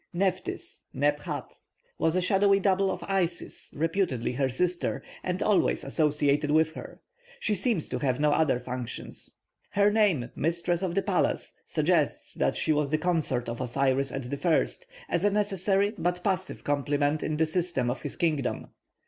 +Nephthys+ (Neb hat) was a shadowy double of Isis; reputedly her sister, and always associated with her, she seems to have no other function. Her name, 'mistress of the palace,' suggests that she was the consort of Osiris at the first, as a necessary but passive complement in the system of his kingdom.